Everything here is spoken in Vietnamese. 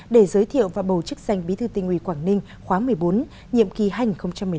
để giới thiệu và bầu chức danh bí thư tỉnh ủy quảng ninh khóa một mươi bốn nhiệm kỳ hành một mươi năm hai nghìn hai mươi